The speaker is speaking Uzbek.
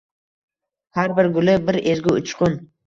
Har bir guli — bir ezgu uchqun